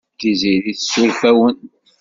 Tiziri tessuref-awen.